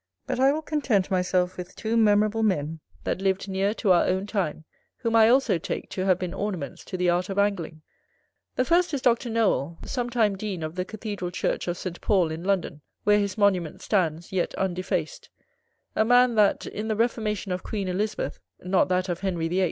But I will content myself with two memorable men, that lived near to our own time, whom I also take to have been ornaments to the art of Angling. The first is Dr. Nowel, sometime dean of the cathedral church of St. Paul, in London, where his monument stands yet undefaced; a man that, in the reformation of Queen Elizabeth, not that of Henry VIII.